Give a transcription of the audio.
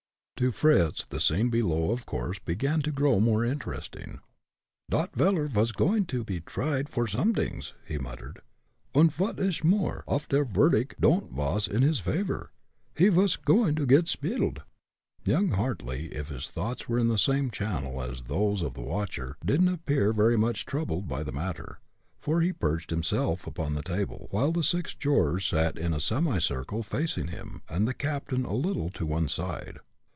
To Fritz, the scene below of course began to grow more interesting. "Dot veller vas goin' to pe tried for somedings," he muttered, "und vot ish more, uff der verdict don't vas in his favor, he vas goin' der git sp'iled." Young Hartly if his thoughts were in the same channel as those of the watcher, didn't appear very much troubled about the matter, for he perched himself upon the table, while the six jurors sat in a semicircle facing him, and the captain a little to one side.